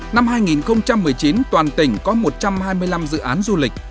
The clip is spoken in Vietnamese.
năm hai nghìn một mươi chín toàn tỉnh có một trăm hai mươi năm dự án du lịch